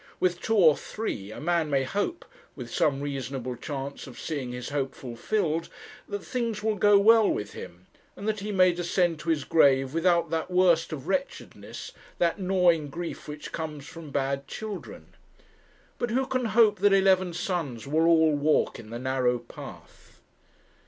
With two or three a man may hope, with some reasonable chance of seeing his hope fulfilled, that things will go well with him, and that he may descend to his grave without that worst of wretchedness, that gnawing grief which comes from bad children. But who can hope that eleven sons will all walk in the narrow path?